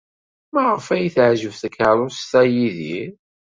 Maɣef ay teɛjeb tkeṛṛust-a Yidir?